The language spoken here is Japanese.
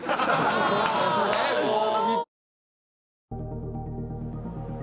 そうですねもう。